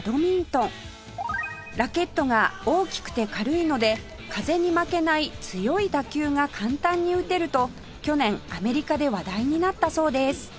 ラケットが大きくて軽いので風に負けない強い打球が簡単に打てると去年アメリカで話題になったそうです